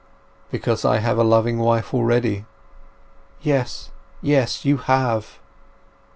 "Because I have a loving wife already." "Yes, yes! You have!"